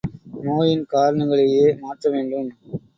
நோயின் காரணங்களையே மாற்ற வேண்டும்.